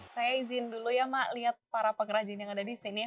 saya izin dulu ya mak lihat para pengrajin yang ada di sini